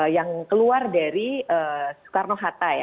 yang keluar dari soekarno hatta ya